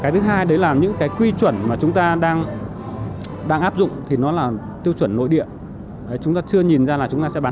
tức là những cái sản phẩm được là